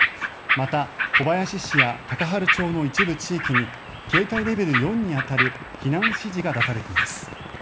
また、小林市や高原町の一部地域に警戒レベル４に当たる避難指示が出されています。